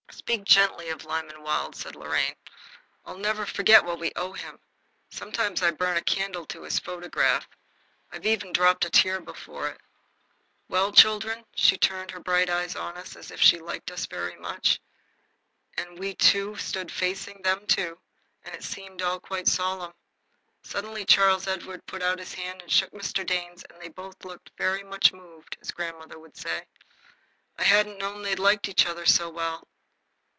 "Speak gently of Lyman Wilde," said Lorraine. "I never forget what we owe him. Sometimes I burn a candle to his photograph. I've even dropped a tear before it. Well, children?" She turned her bright eyes on us as if she liked us very much, and we two stood facing them two, and it all seemed quite solemn. Suddenly Charles Edward put out his hand and shook Mr. Dane's, and they both looked very much moved, as grandmother would say. I hadn't known they liked each other so well.